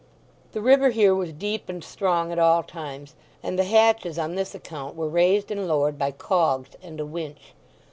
The river here was deep and strong at all times, and the hatches on this account were raised and lowered by cogs and a winch.